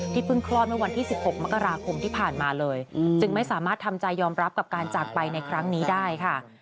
เพิ่งคลอดเมื่อวันที่๑๖มกราคมที่ผ่านมาเลยจึงไม่สามารถทำใจยอมรับกับการจากไปในครั้งนี้ได้ค่ะ